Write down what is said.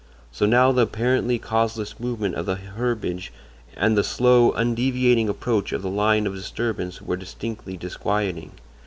So now the apparently causeless movement of the herbage and the slow, undeviating approach of the line of disturbance were distinctly disquieting.